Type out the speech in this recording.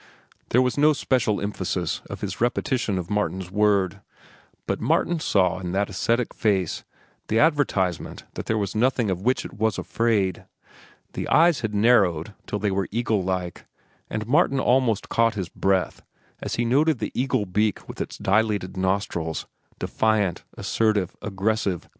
There was no special emphasis of his repetition of Martin's word. But Martin saw in that ascetic face the advertisement that there was nothing of which it was afraid. The eyes had narrowed till they were eagle like, and Martin almost caught his breath as he noted the eagle beak with its dilated nostrils, defiant, assertive, aggressive.